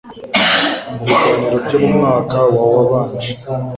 mu biganiro byo mu mwaka wa wabanje